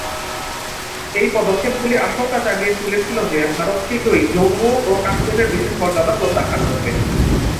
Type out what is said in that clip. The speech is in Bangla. এই পদক্ষেপগুলি আশঙ্কা জাগিয়ে তুলেছিল যে ভারত শীঘ্রই জম্মু ও কাশ্মীরের বিশেষ মর্যাদা প্রত্যাখ্যান করবে।